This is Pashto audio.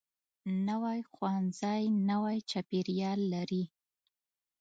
نوی ښوونځی نوی چاپیریال لري